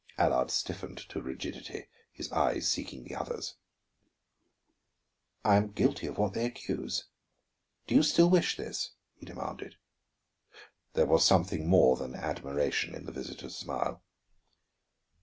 Allard stiffened to rigidity, his eyes seeking the other's. "I am guilty of what they accuse; do you still wish this?" he demanded. There was something more than admiration in the visitor's smile.